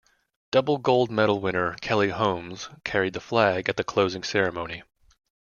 Double gold medal winner Kelly Holmes carried the flag at the closing ceremony.